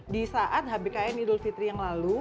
di saat hbkn idul fitri yang lalu